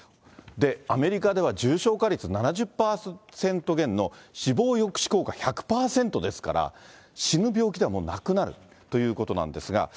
アメリカでは重症化率７０％減の死亡抑止効果１００％ですから、死ぬ病気ではもうなくなるということなんですが。